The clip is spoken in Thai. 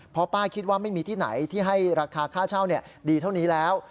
เพราะป้าคิดว่าไม่มีที่ไหนที่ให้ราคาค่าเช่าดีเท่านี้แล้ว